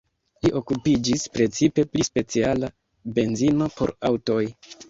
Li okupiĝis precipe pri speciala benzino por aŭtoj.